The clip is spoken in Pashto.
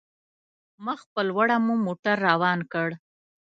مخ په لوړه مو موټر روان کړ.